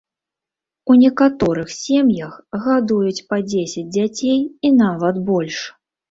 У некаторых сем'ях гадуюць па дзесяць дзяцей і нават больш.